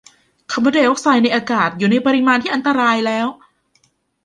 คาร์บอนไดอ็อกไซด์ในอากาศ อยู่ในปริมาณที่อันตรายแล้ว